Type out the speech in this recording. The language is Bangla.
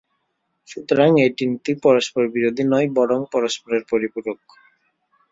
সুতরাং এই তিনটি পরস্পর-বিরোধী নয়, বরং পরস্পরের পরিপূরক।